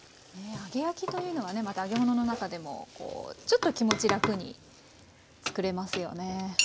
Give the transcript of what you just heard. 揚げ焼きというのはねまた揚げ物の中でもちょっと気持ち楽に作れますよね。